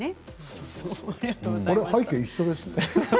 背景、一緒ですね。